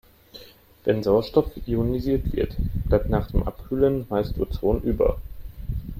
Wenn Sauerstoff ionisiert wird, bleibt nach dem Abkühlen meist Ozon über.